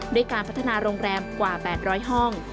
ด้วยการพัฒนาโรงแรมกว่า๘๐๐ห้อง